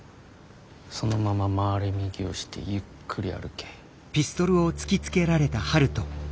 そのまま回れ右をしてゆっくり歩け。